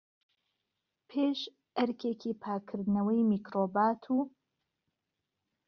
پێش ئەرکێکی پاکردنەوەی میکرۆبات، و